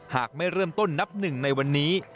หากไม่เริ่มต้นนับหนึ่งในวันนี้